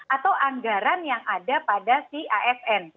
atau anggaran yang ada pada si asn